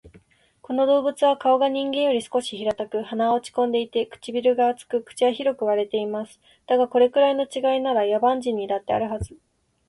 この動物は顔が人間より少し平たく、鼻は落ち込んでいて、唇が厚く、口は広く割れています。だが、これくらいの違いなら、野蛮人にだってあるはず